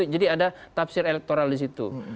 jadi ada tafsir elektoral di situ